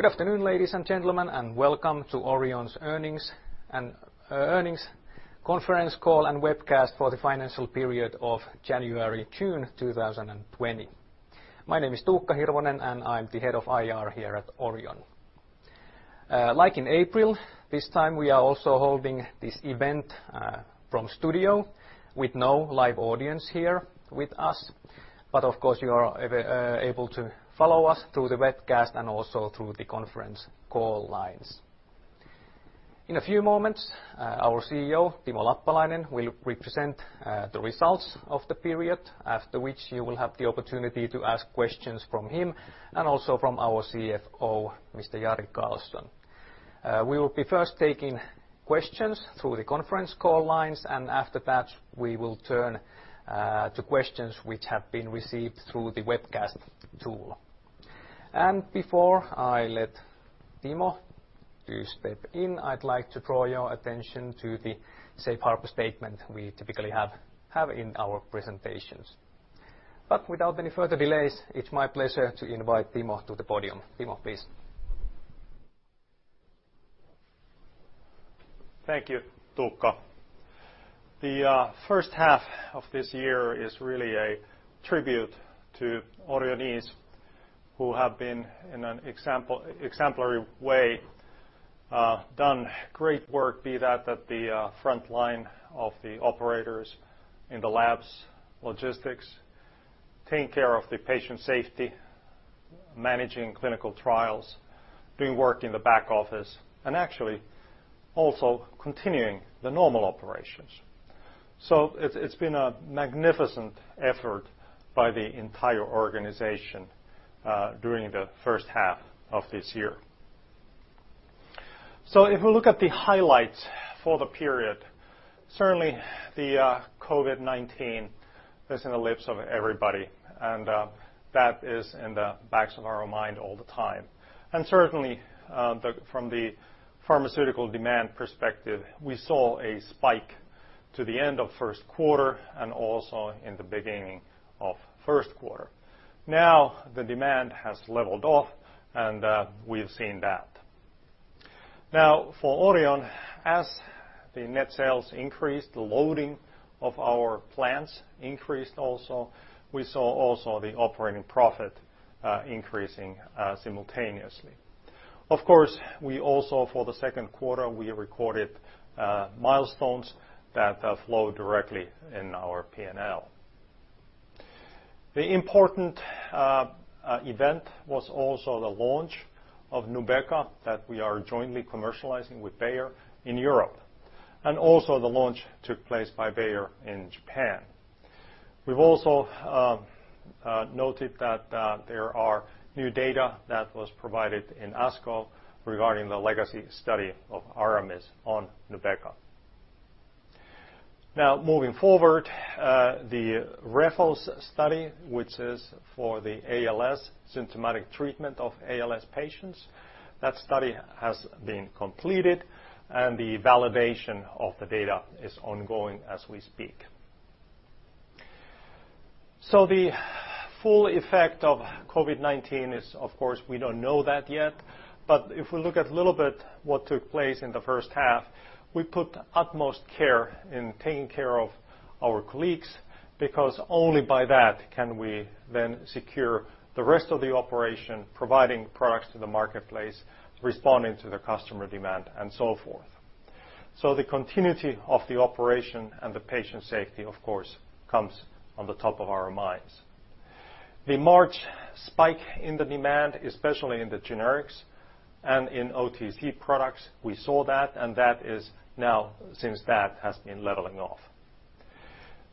Good afternoon, ladies and gentlemen, and welcome to Orion's earnings conference call and webcast for the financial period of January-June 2020. My name is Tuukka Hirvonen, and I'm the Head of IR here at Orion. Like in April, this time we are also holding this event from studio with no live audience here with us. Of course, you are able to follow us through the webcast and also through the conference call lines. In a few moments, our CEO, Timo Lappalainen, will present the results of the period, after which you will have the opportunity to ask questions from him and also from our CFO, Mr. Jari Karlson. We will be first taking questions through the conference call lines, and after that, we will turn to questions which have been received through the webcast tool. Before I let Timo to step in, I'd like to draw your attention to the safe harbor statement we typically have in our presentations. Without any further delays, it's my pleasure to invite Timo to the podium. Timo, please. Thank you, Tuukka. The first half of this year is really a tribute to Orionees who have in an exemplary way, done great work, be that at the front line of the operators in the labs, logistics, taking care of the patient safety, managing clinical trials, doing work in the back office, and actually also continuing the normal operations. It's been a magnificent effort by the entire organization during the first half of this year. If we look at the highlights for the period, certainly the COVID-19 is on the lips of everybody, and that is in the backs of our mind all the time. Certainly, from the pharmaceutical demand perspective, we saw a spike to the end of first quarter and also in the beginning of first quarter. Now the demand has leveled off, and we've seen that. Now for Orion, as the net sales increased, the loading of our plants increased also, we saw also the operating profit increasing simultaneously. Of course, we also, for the second quarter, we recorded milestones that flow directly in our P&L. The important event was also the launch of Nubeqa that we are jointly commercializing with Bayer in Europe, and also the launch took place by Bayer in Japan. We've also noted that there are new data that was provided in ASCO regarding the legacy study of ARAMIS on Nubeqa. Now moving forward, the REFALS study, which is for the symptomatic treatment of ALS patients, that study has been completed and the validation of the data is ongoing as we speak. The full effect of COVID-19 is, of course, we don't know that yet, but if we look at little bit what took place in the first half, we put utmost care in taking care of our colleagues, because only by that can we then secure the rest of the operation, providing products to the marketplace, responding to the customer demand and so forth. The continuity of the operation and the patient safety, of course, comes on the top of our minds. The March spike in the demand, especially in the generics and in OTC products, we saw that, and that is now since that has been leveling off.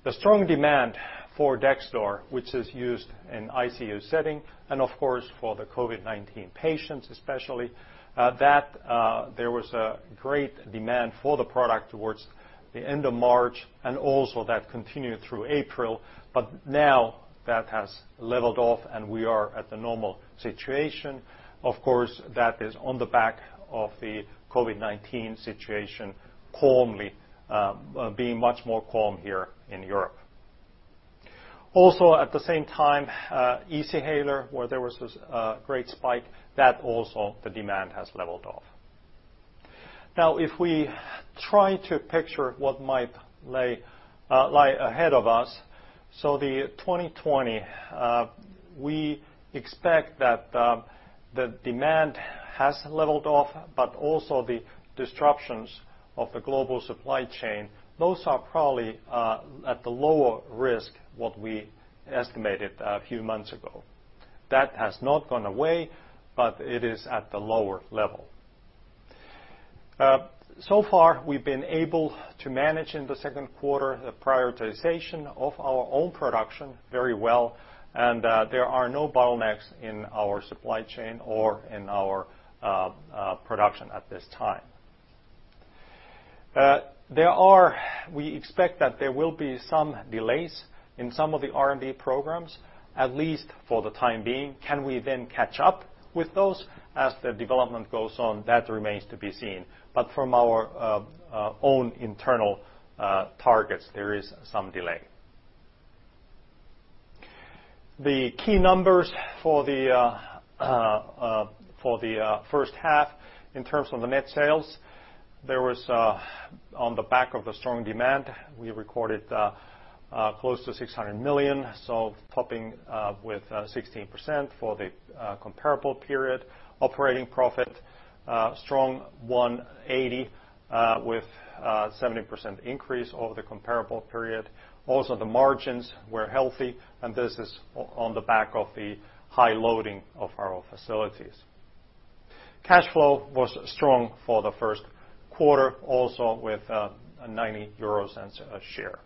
The strong demand for Dexdor, which is used in ICU setting and of course for the COVID-19 patients especially, there was a great demand for the product towards the end of March and also that continued through April, but now that has leveled off and we are at the normal situation. Of course, that is on the back of the COVID-19 situation being much more calm here in Europe. At the same time, Easyhaler where there was this great spike, that also the demand has leveled off. If we try to picture what might lie ahead of us, the 2020, we expect that the demand has leveled off, but also the disruptions of the global supply chain, those are probably at the lower risk what we estimated a few months ago. That has not gone away, but it is at the lower level. Far, we've been able to manage in the second quarter the prioritization of our own production very well, and there are no bottlenecks in our supply chain or in our production at this time. We expect that there will be some delays in some of the R&D programs, at least for the time being. Can we catch up with those as the development goes on? That remains to be seen, but from our own internal targets, there is some delay. The key numbers for the first half in terms of the net sales, there was on the back of the strong demand, we recorded close to 600 million, topping with 16% for the comparable period. Operating profit, strong 180 with 70% increase over the comparable period. The margins were healthy, and this is on the back of the high loading of our facilities. Cash flow was strong for the first quarter, also with 0.90 a share.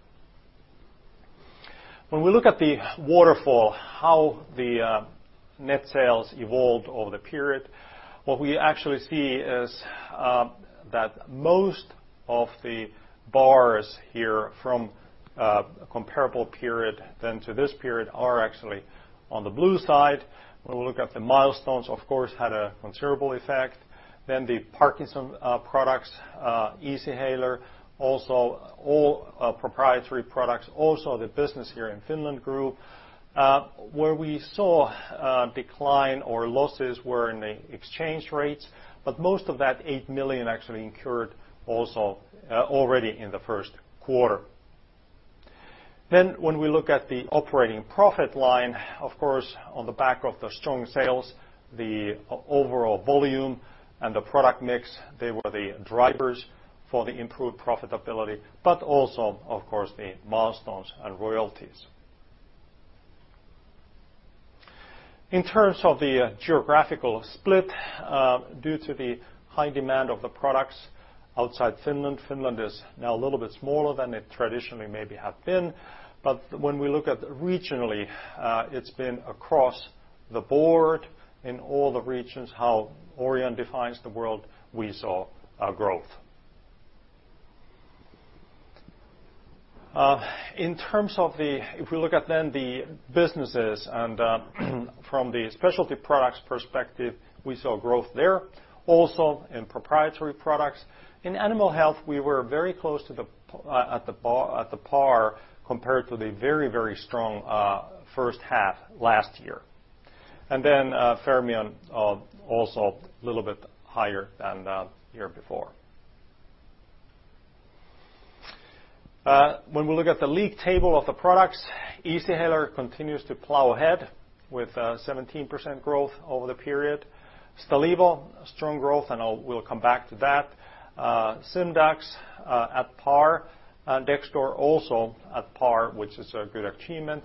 We look at the waterfall, how the net sales evolved over the period, what we actually see is that most of the bars here from comparable period then to this period are actually on the blue side. We look at the milestones, of course, had a considerable effect. The Parkinson's products, Easyhaler, also all proprietary products, also the business here in Finland grew. Where we saw a decline or losses were in the exchange rates, most of that 8 million actually incurred also already in the first quarter. When we look at the operating profit line, of course, on the back of the strong sales, the overall volume and the product mix, they were the drivers for the improved profitability, also, of course, the milestones and royalties. In terms of the geographical split, due to the high demand of the products outside Finland is now a little bit smaller than it traditionally maybe had been. When we look at regionally, it's been across the board in all the regions, how Orion defines the world, we saw growth. If we look at then the businesses and from the specialty products perspective, we saw growth there. Also, in proprietary products. In animal health, we were very close at the par compared to the very strong first half last year. Fermion also a little bit higher than the year before. When we look at the league table of the products, Easyhaler continues to plow ahead with 17% growth over the period. Stalevo, strong growth, and we'll come back to that. Simdax at par. Dexdor also at par, which is a good achievement.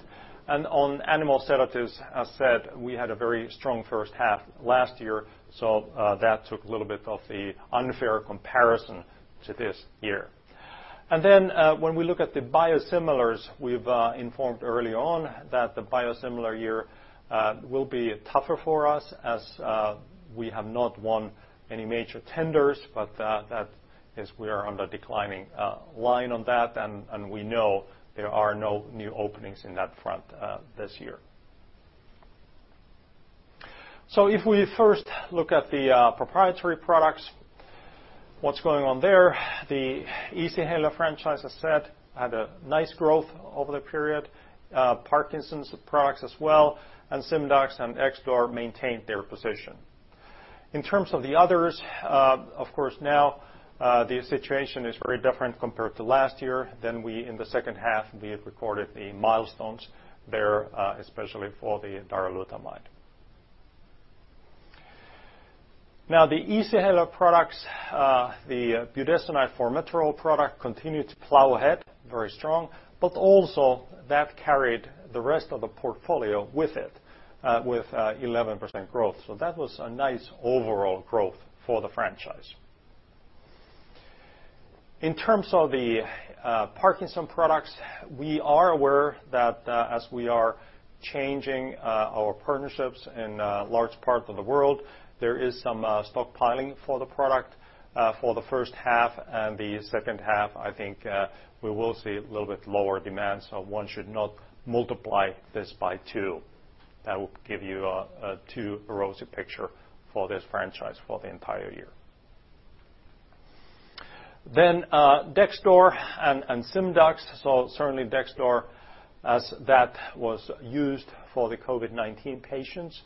On animal sedatives, as said, we had a very strong first half last year, so that took a little bit of the unfair comparison to this year. When we look at the biosimilars, we've informed early on that the biosimilar year will be tougher for us as we have not won any major tenders, but that is we are on the declining line on that, and we know there are no new openings in that front this year. If we first look at the proprietary products, what's going on there, the Easyhaler franchise, as I said, had a nice growth over the period. Parkinson's products as well, and Simdax and Dexdor maintained their position. In terms of the others, of course, now the situation is very different compared to last year than we in the second half, we have recorded the milestones there, especially for the darolutamide. The Easyhaler products, the budesonide-formoterol product continued to plow ahead, very strong, but also that carried the rest of the portfolio with it, with 11% growth. That was a nice overall growth for the franchise. In terms of the Parkinson's products, we are aware that as we are changing our partnerships in large parts of the world, there is some stockpiling for the product for the first half and the second half, I think we will see a little bit lower demand, so one should not multiply this by two. That will give you a too rosy picture for this franchise for the entire year. Dexdor and Simdax. Certainly Dexdor, as that was used for the COVID-19 patients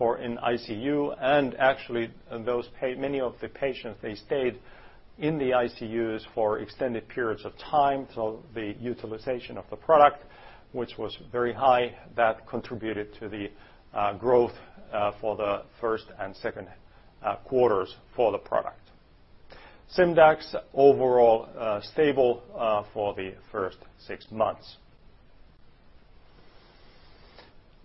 in ICU, and actually many of the patients, they stayed in the ICUs for extended periods of time, so the utilization of the product, which was very high, that contributed to the growth for the first and second quarters for the product. Simdax, overall stable for the first six months.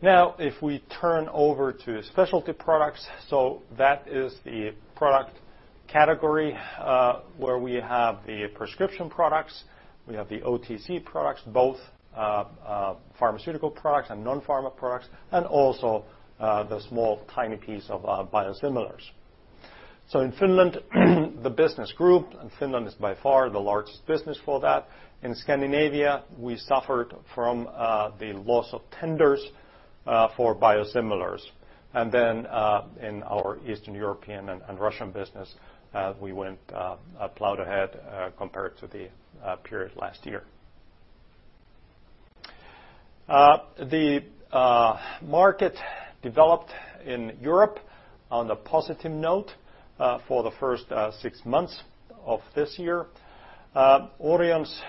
If we turn over to specialty products, so that is the product category where we have the prescription products, we have the OTC products, both pharmaceutical products and non-pharma products, and also the small, tiny piece of biosimilars. In Finland, the business group, and Finland is by far the largest business for that. In Scandinavia, we suffered from the loss of tenders for biosimilars. Then in our Eastern European and Russian business, we went plowed ahead compared to the period last year. The market developed in Europe on the positive note for the first six months of this year. Orion's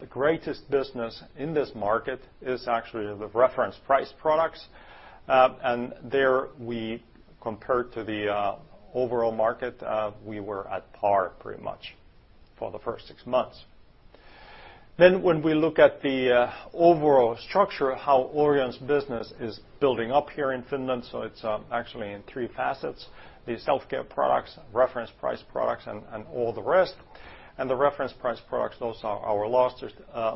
the greatest business in this market is actually the reference price products, and there we compared to the overall market, we were at par pretty much for the first six months. When we look at the overall structure of how Orion's business is building up here in Finland, so it's actually in three facets. The self-care products, reference price products, and all the rest. The reference price products, those are our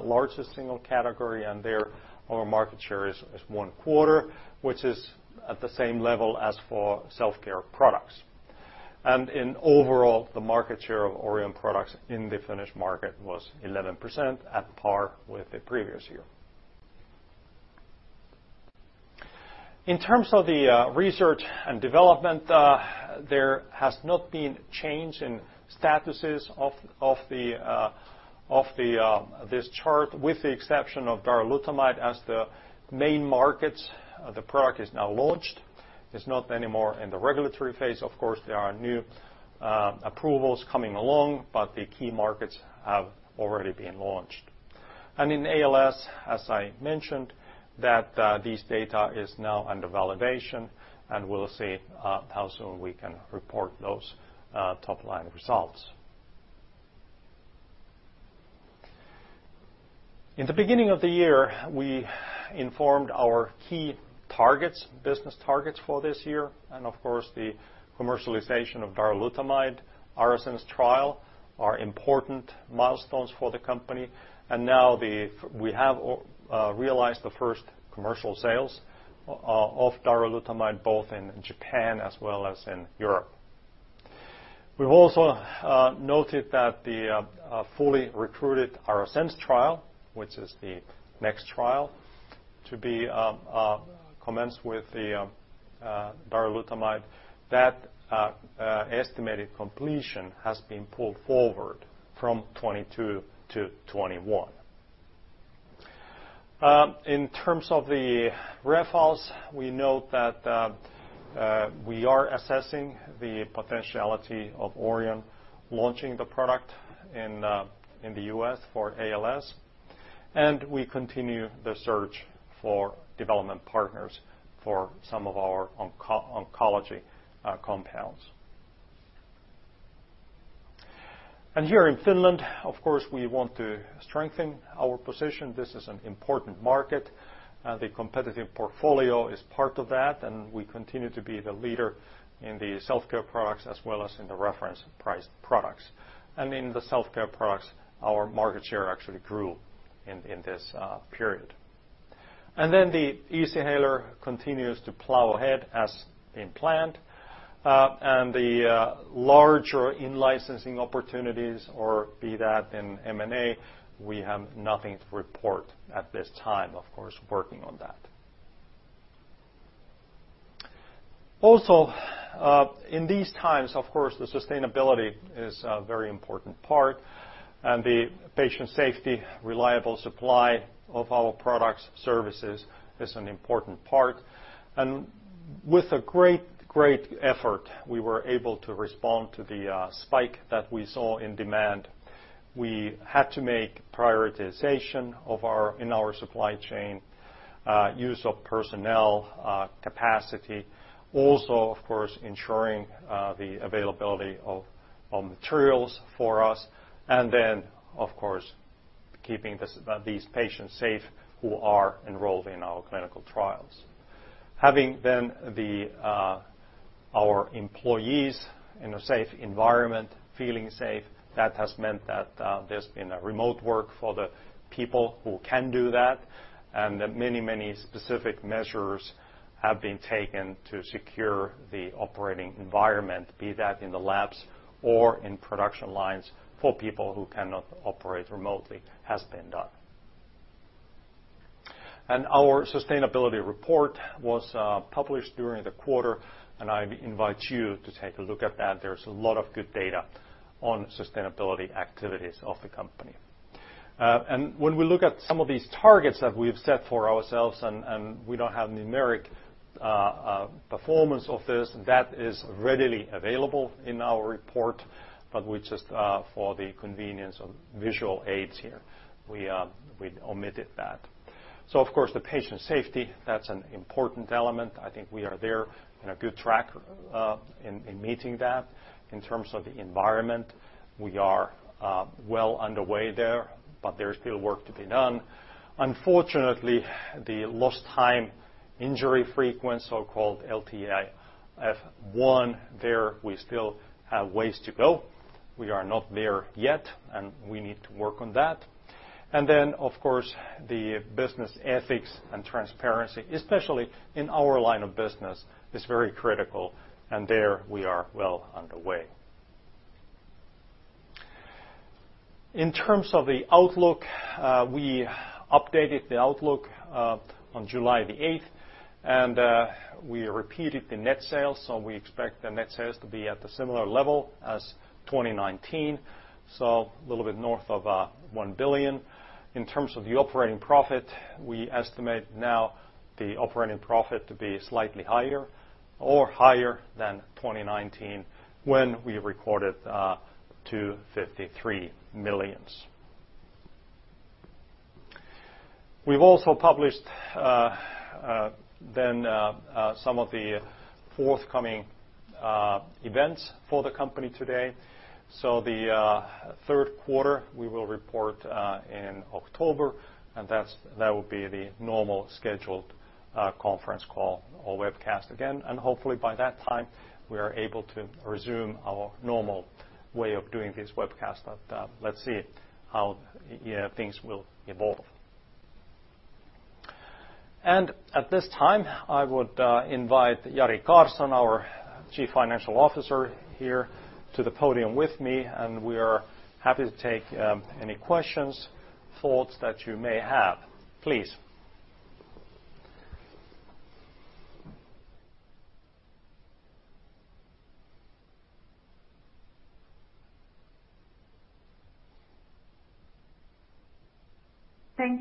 largest single category, and there our market share is 1/4, which is at the same level as for self-care products. In overall, the market share of Orion products in the Finnish market was 11% at par with the previous year. In terms of the research and development, there has not been change in statuses of this chart, with the exception of darolutamide as the main market. The product is now launched. It's not anymore in the regulatory phase. There are new approvals coming along, but the key markets have already been launched. In ALS, as I mentioned, that this data is now under validation, and we'll see how soon we can report those top-line results. In the beginning of the year, we informed our key targets, business targets for this year, and of course, the commercialization of darolutamide, ARAMIS trial are important milestones for the company. Now we have realized the first commercial sales of darolutamide, both in Japan as well as in Europe. We've also noted that the fully recruited ARASENS trial, which is the next trial to be commenced with the darolutamide, that estimated completion has been pulled forward from 2022 to 2021. In terms of the REFALS, we note that we are assessing the potentiality of Orion launching the product in the U.S. for ALS, and we continue the search for development partners for some of our oncology compounds. Here in Finland, of course, we want to strengthen our position. This is an important market. The competitive portfolio is part of that, and we continue to be the leader in the self-care products as well as in the reference price products. In the self-care products, our market share actually grew in this period. The Easyhaler continues to plow ahead as planned. The larger in-licensing opportunities or be that in M&A, we have nothing to report at this time, of course, working on that. In these times, of course, the sustainability is a very important part and the patient safety, reliable supply of our products, services is an important part. With a great effort, we were able to respond to the spike that we saw in demand. We had to make prioritization in our supply chain, use of personnel capacity. Of course, ensuring the availability of materials for us, and then, of course, keeping these patients safe who are enrolled in our clinical trials. Having our employees in a safe environment, feeling safe, that has meant that there has been a remote work for the people who can do that and that many specific measures have been taken to secure the operating environment, be that in the labs or in production lines for people who cannot operate remotely has been done. Our sustainability report was published during the quarter, and I invite you to take a look at that. There is a lot of good data on sustainability activities of the company. When we look at some of these targets that we have set for ourselves and we do not have numeric performance of this, that is readily available in our report, but we just for the convenience of visual aids here, we omitted that. Of course, the patient safety, that is an important element. I think we are there in a good track in meeting that. In terms of the environment, we are well underway there, but there's still work to be done. Unfortunately, the lost time injury frequency, so-called LTIF, there we still have ways to go. We are not there yet, we need to work on that. Of course, the business ethics and transparency, especially in our line of business, is very critical and there we are well underway. In terms of the outlook, we updated the outlook on July the 8th, and we repeated the net sales. We expect the net sales to be at the similar level as 2019, so a little bit north of 1 billion. In terms of the operating profit, we estimate now the operating profit to be slightly higher or higher than 2019, when we recorded EUR 253 million. We've also published some of the forthcoming events for the company today. The third quarter, we will report in October, and that will be the normal scheduled conference call or webcast again. Hopefully, by that time, we are able to resume our normal way of doing this webcast, but let's see how things will evolve. At this time, I would invite Jari Karlsson, our Chief Financial Officer, here to the podium with me, and we are happy to take any questions, thoughts that you may have. Please.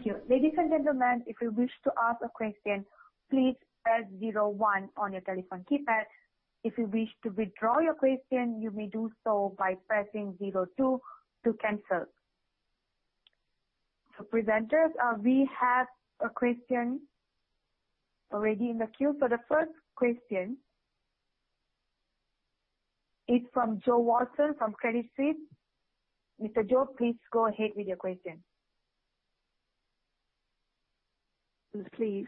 Thank you. Ladies and gentlemen, if you wish to ask a question, please press 01 on your telephone keypad. If you wish to withdraw your question, you may do so by pressing 02 to cancel. Presenters, we have a question already in the queue. The first question is from Jo Watson from Credit Suisse. Mr. Jo, please go ahead with your question. Please.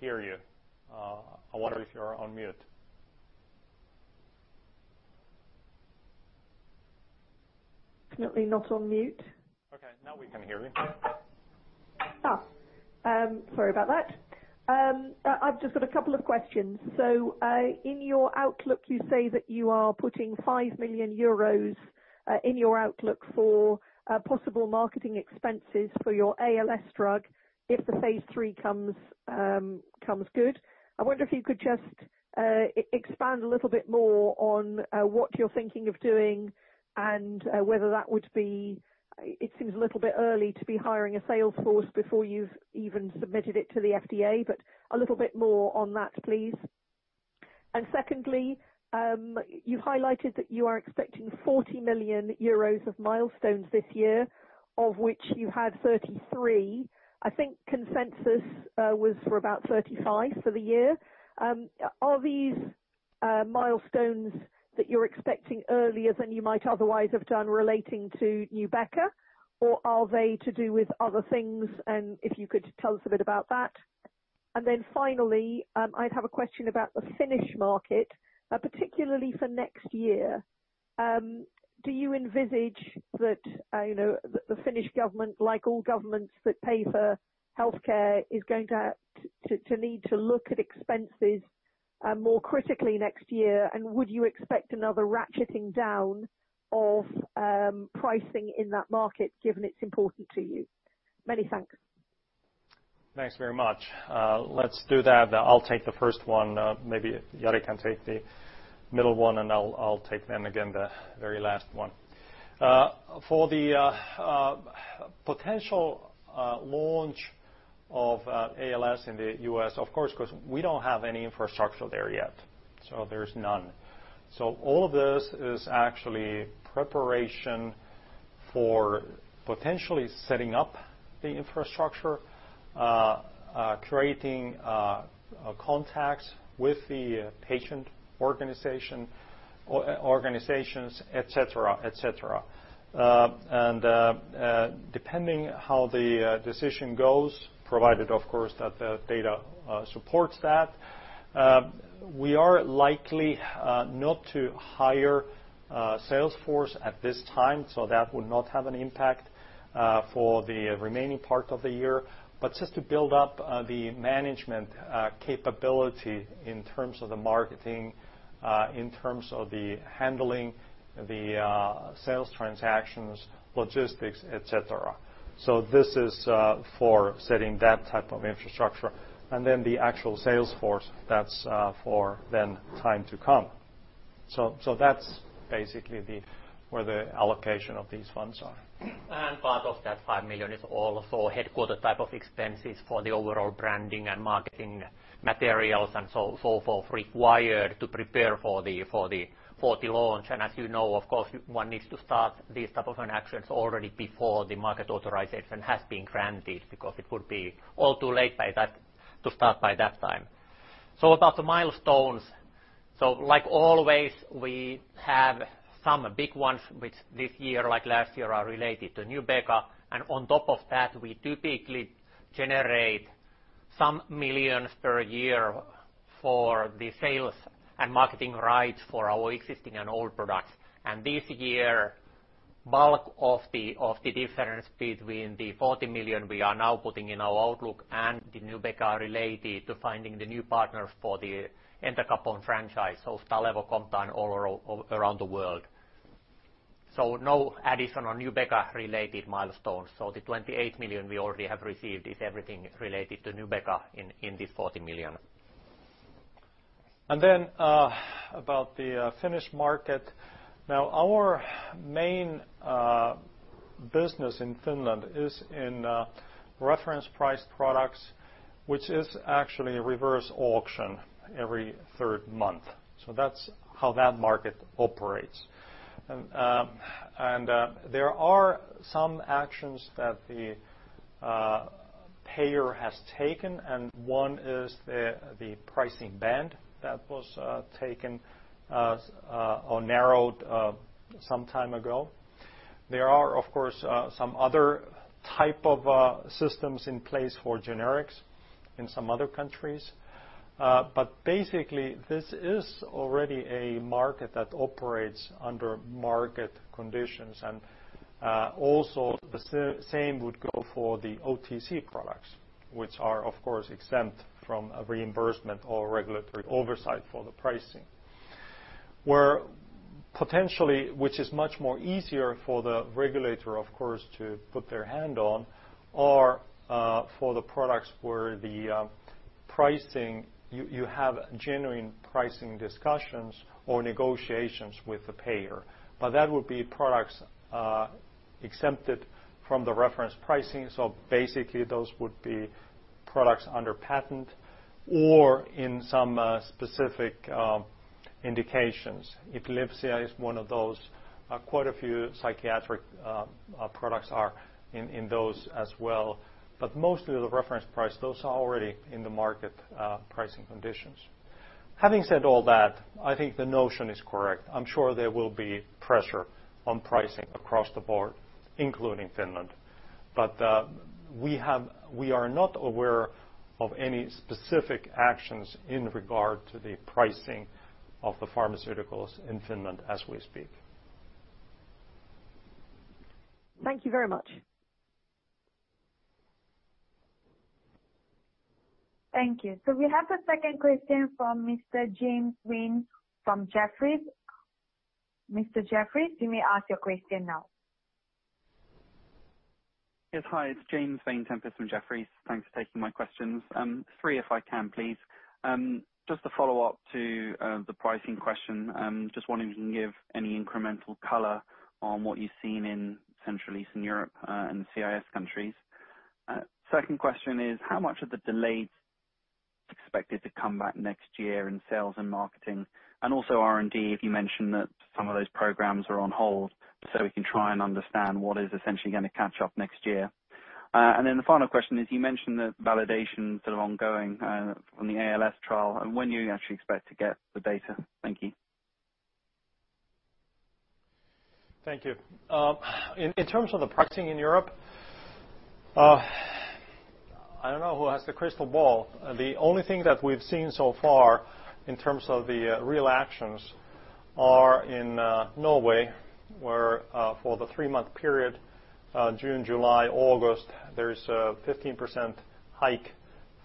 Hear you. I wonder if you're on mute. Definitely not on mute. Okay, now we can hear you. Sorry about that. I've just got a couple of questions. In your outlook, you say that you are putting 5 million euros in your outlook for possible marketing expenses for your ALS drug if the phase III comes good. I wonder if you could just expand a little bit more on what you're thinking of doing and whether that would be. It seems a little bit early to be hiring a sales force before you've even submitted it to the FDA. A little bit more on that, please. Secondly, you highlighted that you are expecting 40 million euros of milestones this year, of which you had 33. I think consensus was for about 35 for the year. Are these milestones that you're expecting earlier than you might otherwise have done relating to Nubeqa, or are they to do with other things? If you could tell us a bit about that. Then finally, I'd have a question about the Finnish market, particularly for next year. Do you envisage that the Finnish government, like all governments that pay for healthcare, is going to have to need to look at expenses more critically next year? Would you expect another ratcheting down of pricing in that market, given it's important to you? Many thanks. Thanks very much. Let's do that. I'll take the first one. Maybe Jari can take the middle one, and I'll take then again the very last one. For the potential launch of ALS in the U.S., of course, because we don't have any infrastructure there yet. There's none. All of this is actually preparation for potentially setting up the infrastructure, creating contacts with the patient organizations, et cetera. Depending how the decision goes, provided of course, that the data supports that, we are likely not to hire a sales force at this time. That would not have an impact for the remaining part of the year. Just to build up the management capability in terms of the marketing, in terms of the handling the sales transactions, logistics, et cetera. This is for setting that type of infrastructure. The actual sales force, that's for then time to come. That's basically where the allocation of these funds are. Part of that 5 million is also headquarter type of expenses for the overall branding and marketing materials and so forth, required to prepare for the launch. As you know, of course, one needs to start these type of actions already before the market authorization has been granted, because it would be all too late to start by that time. About the milestones, so like always, we have some big ones which this year, like last year, are related to Nubeqa, and on top of that, we typically generate some millions per year for the sales and marketing rights for our existing and old products. This year, bulk of the difference between the 40 million we are now putting in our outlook and the Nubeqa related to finding the new partners for the entacapone franchise, so Stalevo Comtan all around the world. No additional Nubeqa related milestones. The 28 million we already have received is everything related to Nubeqa in this 40 million. About the Finnish market. Now, our main business in Finland is in reference price products, which is actually a reverse auction every third month. That's how that market operates. There are some actions that the payer has taken, and one is the pricing band that was taken or narrowed some time ago. There are, of course, some other type of systems in place for generics in some other countries. Basically this is already a market that operates under market conditions. Also the same would go for the OTC products, which are, of course, exempt from a reimbursement or regulatory oversight for the pricing. Where potentially, which is much more easier for the regulator, of course, to put their hand on are for the products where the pricing you have genuine pricing discussions or negotiations with the payer. That would be products exempted from the reference pricing. Basically those would be products under patent or in some specific indications. Epilepsy is one of those, quite a few psychiatric products are in those as well. Mostly the reference price, those are already in the market pricing conditions. Having said all that, I think the notion is correct. I'm sure there will be pressure on pricing across the board, including Finland. We are not aware of any specific actions in regard to the pricing of the pharmaceuticals in Finland as we speak. Thank you very much. Thank you. We have the second question from Mr. James Vane from Jefferies. Mr. Wayne, you may ask your question now. Hi, it's James Wayne Tempest from Jefferies. Thanks for taking my questions. Three if I can, please. To follow up to the pricing question, wondering if you can give any incremental color on what you've seen in Central Eastern Europe, and CIS countries. Second question is, how much of the delays expected to come back next year in sales and marketing? Also R&D, if you mentioned that some of those programs are on hold, we can try and understand what is essentially going to catch up next year. The final question is, you mentioned that validation sort of ongoing on the ALS trial and when do you actually expect to get the data? Thank you. Thank you. In terms of the pricing in Europe, I don't know who has the crystal ball. The only thing that we've seen so far in terms of the real actions are in Norway, where for the three-month period, June, July, August, there is a 15% hike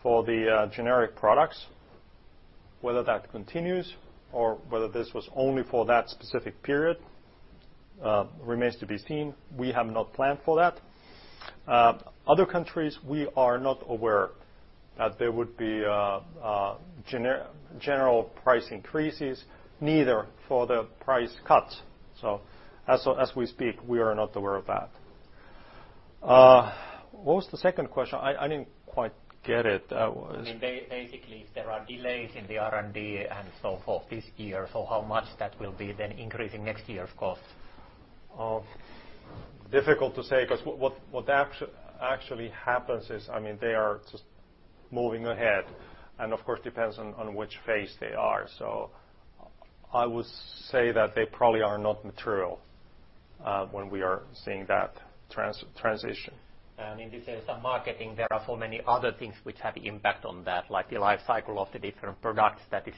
for the generic products. Whether that continues or whether this was only for that specific period remains to be seen. We have not planned for that. Other countries, we are not aware that there would be general price increases, neither for the price cuts. As we speak, we are not aware of that. What was the second question? I didn't quite get it. I mean, basically if there are delays in the R&D and so forth this year, so how much that will be then increasing next year's costs? Difficult to say, because what actually happens is, they are just moving ahead and of course depends on which phase they are. I would say that they probably are not material when we are seeing that transition. In the sales and marketing, there are so many other things which have impact on that, like the life cycle of the different products that is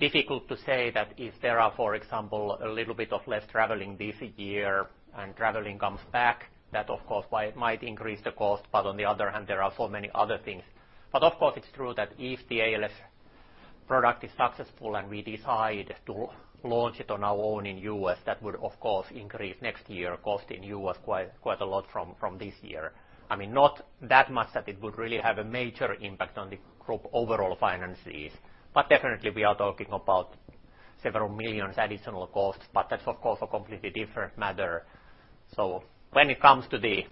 difficult to say that if there are, for example, a little bit of less traveling this year and traveling comes back, that of course might increase the cost. On the other hand, there are so many other things. Of course it's true that if the ALS product is successful and we decide to launch it on our own in U.S., that would of course increase next year cost in U.S. quite a lot from this year. I mean, not that much that it would really have a major impact on the group overall finances, but definitely we are talking about several millions additional costs. That's of course a completely different matter. When it comes to the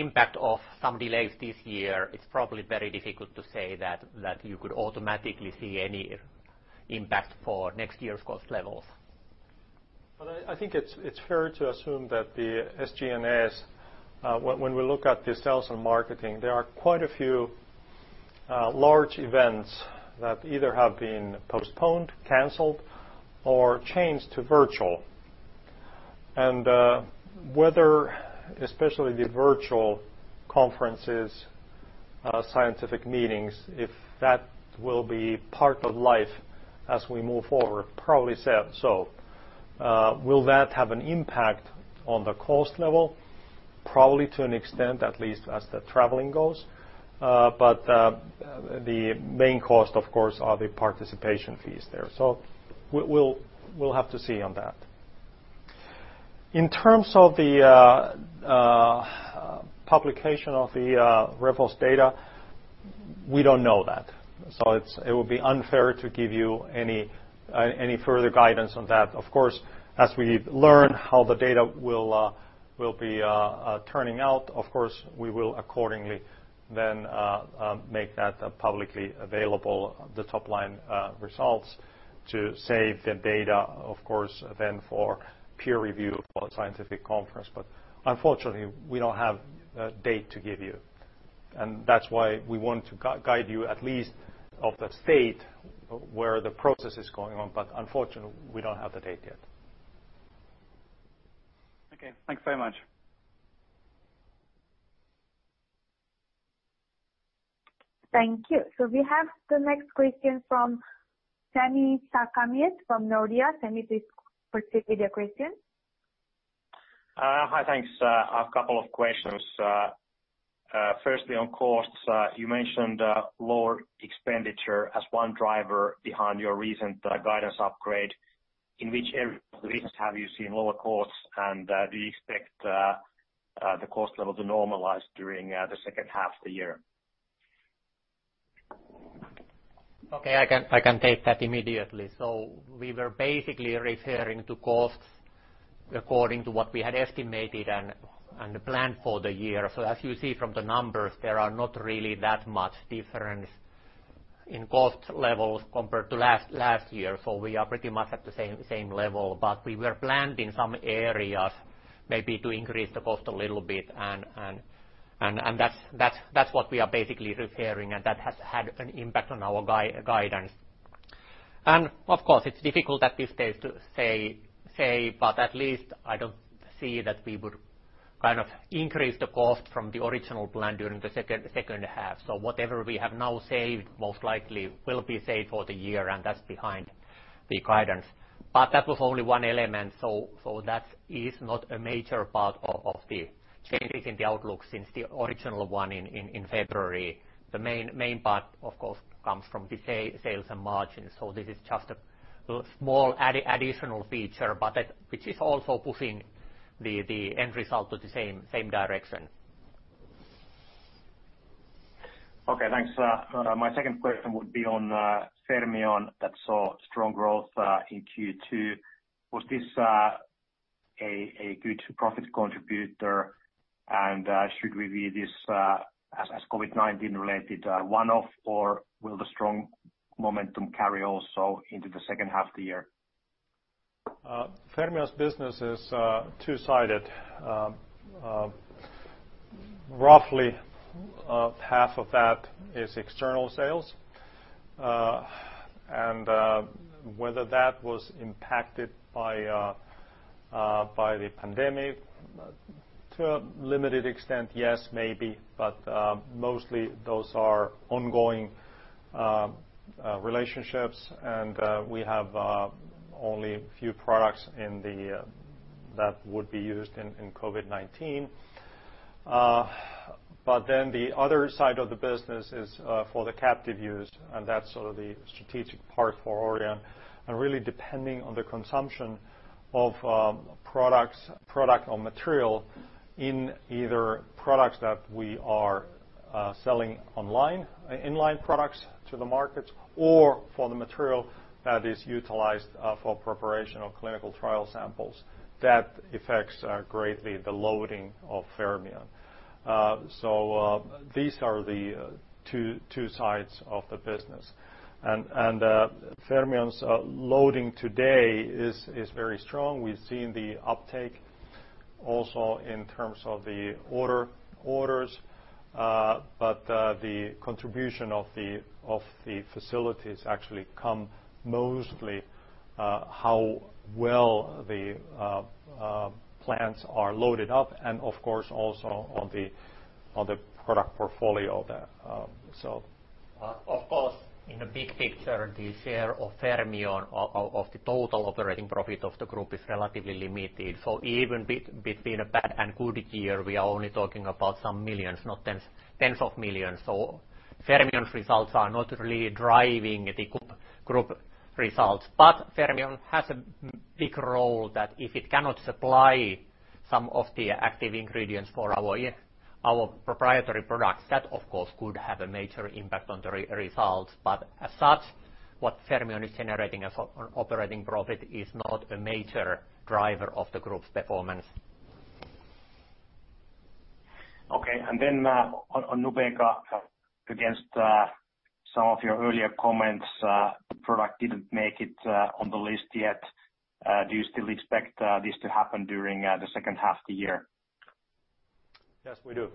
impact of some delays this year, it's probably very difficult to say that you could automatically see any impact for next year's cost levels. I think it's fair to assume that the SG&A, when we look at the sales and marketing, there are quite a few large events that either have been postponed, canceled, or changed to virtual. Whether, especially the virtual conferences, scientific meetings, if that will be part of life as we move forward, probably so. Will that have an impact on the cost level? Probably to an extent, at least as the traveling goes. The main cost, of course, are the participation fees there. We'll have to see on that. In terms of the publication of the REFALS data, we don't know that. It would be unfair to give you any further guidance on that. Of course, as we learn how the data will be turning out, we will accordingly then make that publicly available, the top-line results to save the data, of course, then for peer review for scientific conference. Unfortunately, we don't have a date to give you. That's why we want to guide you at least of the state where the process is going on. Unfortunately, we don't have the date yet. Okay. Thanks very much. Thank you. We have the next question from Sami Sarkamies from Nordea. Sami, please proceed with your question. Hi, thanks. A couple of questions. Firstly, on costs, you mentioned lower expenditure as one driver behind your recent guidance upgrade. In which areas at least have you seen lower costs, and do you expect the cost level to normalize during the second half of the year? I can take that immediately. We were basically referring to costs according to what we had estimated and planned for the year. As you see from the numbers, there are not really that much difference in cost levels compared to last year. We are pretty much at the same level. We were planned in some areas maybe to increase the cost a little bit and that's what we are basically referring, and that has had an impact on our guidance. Of course, it's difficult at this stage to say, but at least I don't see that we would increase the cost from the original plan during the second half. Whatever we have now saved, most likely will be saved for the year, and that's behind the guidance. That was only one element, so that is not a major part of the changes in the outlook since the original one in February. The main part, of course, comes from the sales and margins. This is just a small additional feature, but which is also pushing the end result to the same direction. Okay, thanks. My second question would be on Fermion that saw strong growth in Q2. Was this a good profit contributor, and should we view this as COVID-19 related one-off, or will the strong momentum carry also into the second half of the year? Fermion's business is two-sided. Roughly half of that is external sales. Whether that was impacted by the pandemic to a limited extent, yes, maybe, but mostly those are ongoing relationships, and we have only a few products that would be used in COVID-19. The other side of the business is for the captive use, and that's sort of the strategic part for Orion. Really depending on the consumption of product or material in either products that we are selling online, inline products to the markets, or for the material that is utilized for preparation of clinical trial samples. That affects greatly the loading of Fermion. These are the two sides of the business. Fermion's loading today is very strong. We've seen the uptake also in terms of the orders, but the contribution of the facilities actually come mostly how well the plants are loaded up and, of course, also on the product portfolio there. Of course, in the big picture, the share of Fermion of the total operating profit of the group is relatively limited. Even between a bad and good year, we are only talking about some millions, not EUR tens of millions. Fermion's results are not really driving the group results. Fermion has a big role that if it cannot supply some of the active ingredients for our proprietary products, that of course, could have a major impact on the results. As such, what Fermion is generating as operating profit is not a major driver of the group's performance. Okay, then on Nubeqa, against some of your earlier comments, the product didn't make it on the list yet. Do you still expect this to happen during the second half of the year? Yes, we do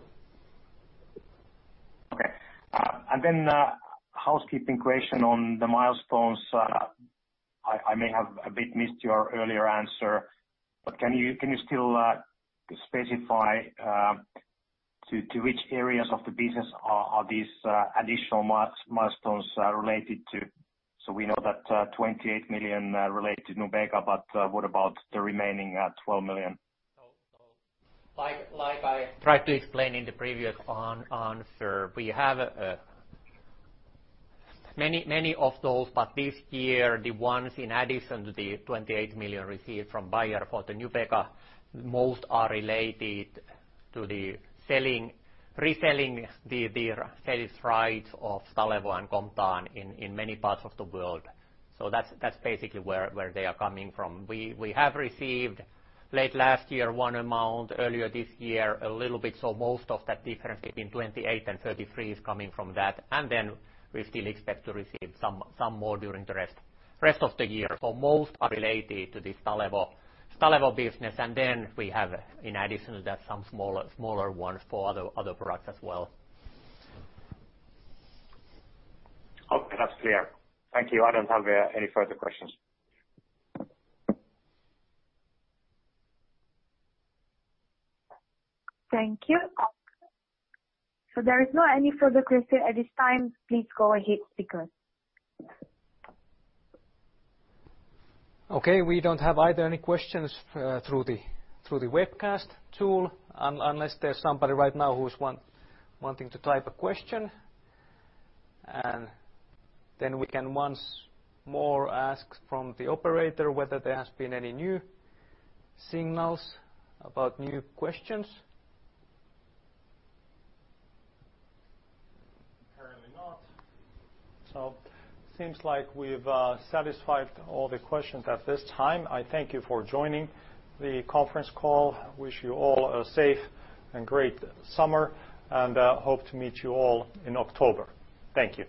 A housekeeping question on the milestones. I may have a bit missed your earlier answer, can you still specify to which areas of the business are these additional milestones related to? We know that 28 million relate to Nubeqa, what about the remaining 12 million? Like I tried to explain in the previous answer, we have many of those, but this year, the ones in addition to the 28 million received from Bayer for Nubeqa, most are related to the reselling the sales rights of Stalevo and Comtan in many parts of the world. That's basically where they are coming from. We have received late last year one amount, earlier this year, a little bit, most of that difference between 28 and 33 is coming from that. Then we still expect to receive some more during the rest of the year. Most are related to the Stalevo business. Then we have, in addition to that, some smaller ones for other products as well. Okay, that's clear. Thank you. I don't have any further questions. Thank you. There is not any further question at this time. Please go ahead, speaker. Okay, we don't have either any questions through the webcast tool, unless there's somebody right now who's wanting to type a question. We can once more ask from the operator whether there has been any new signals about new questions. Apparently not. Seems like we've satisfied all the questions at this time. I thank you for joining the conference call. Wish you all a safe and great summer, and hope to meet you all in October. Thank you